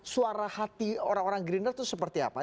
suara hati orang orang gerindra itu seperti apa